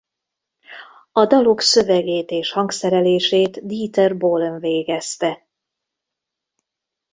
A dalok szövegét és hangszerelését Dieter Bohlen végezte.